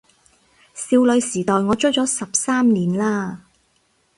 少女時代我追咗十三年喇